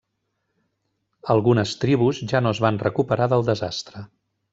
Algunes tribus ja no es van recuperar del desastre.